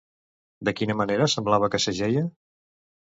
De quina manera semblava que s'ajeia?